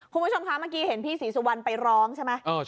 คุณผู้ชมคะเมื่อกี้เห็นพี่ศรีสุวรรณไปร้องใช่ไหม